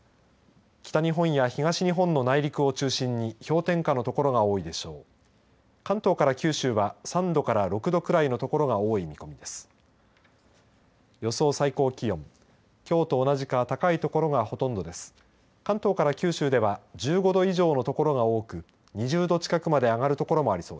北日本や東日本の内陸を中心に氷点下の所が多いでしょう。